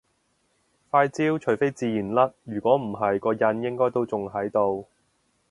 塊焦除非自然甩如果唔係個印應該都仲喺度